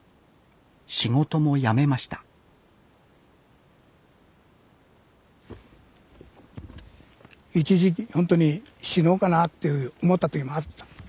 仕事も辞めました一時期ほんとに死のうかなって思った時もあった。